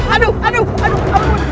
aduh aduh aduh ampun